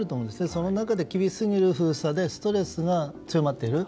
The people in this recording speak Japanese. その中で厳しすぎる封鎖でストレスが強まっている。